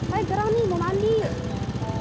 mae geram nih mau mandi